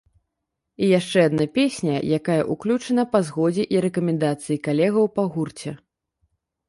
І яшчэ адна песня, якая ўключана па згодзе і рэкамендацыі калегаў па гурце.